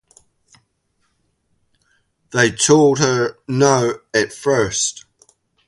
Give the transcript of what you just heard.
They told her no at first.